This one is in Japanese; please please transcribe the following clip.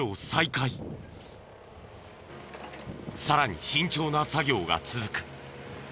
さらに慎重な作業が続く。